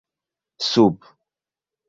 sub